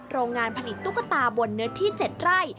โรงงานผลิตตุ๊กตาบนเนื้อที่๗ไร่